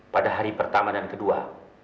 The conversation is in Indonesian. pada hari pertama dan kedua